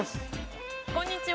こんにちは。